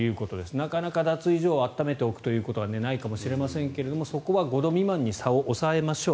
なかなか脱衣所を暖めておくということはないかもしれませんがそこは５度未満に差を抑えましょう。